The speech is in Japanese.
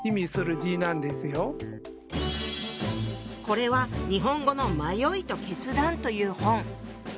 これは日本語の「迷いと決断」という本。